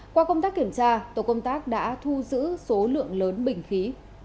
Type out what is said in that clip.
qua công tác kiểm tra tổ công tác đã thu giữ số lượng lớn bình khí